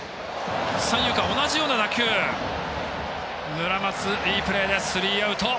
村松、いいプレーでスリーアウト。